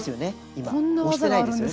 今押してないですよね。